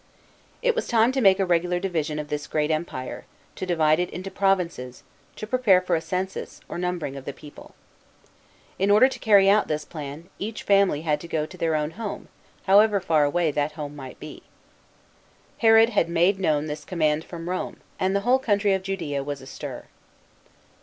It was time to make a regular division of this great empire, to divide it into provinces, to prepare for a census or numbering of the people. In order to carry out this plan, each family had to go to their own home, however far away that home might be. Herod had made known this command from Rome, and the whole country of Judaea was astir.